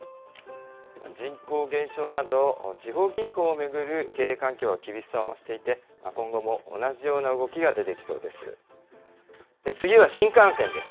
人口減少など、地方銀行を巡る経営環境は厳しさを増していて、今後も同じような動きが出てきそうです。